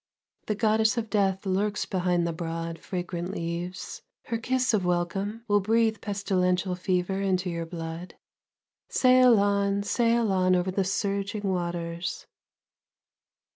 The goddess of death lurks behind the broad, fragrant leaves, her kiss of welcome will breathe pestilential fever into your blood! Sail on, sail on over the surging waters!